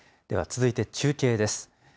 では続いて、中継です。